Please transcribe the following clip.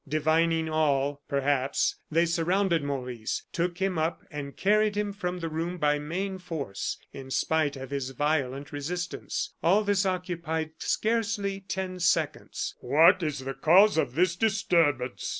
Divining all, perhaps, they surrounded Maurice, took him up, and carried him from the room by main force, in spite of his violent resistance. All this occupied scarcely ten seconds. "What is the cause of this disturbance?"